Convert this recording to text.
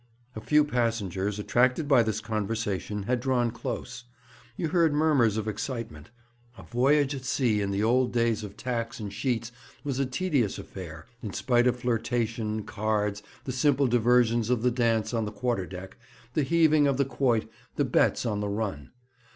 A few passengers, attracted by this conversation, had drawn close. You heard murmurs of excitement. A voyage at sea, in the old days of tacks and sheets, was a tedious affair, in spite of flirtation, cards, the simple diversions of the dance on the quarter deck, the heaving of the quoit, the bets on the run.